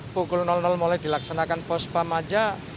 pukul mulai dilaksanakan pospam aja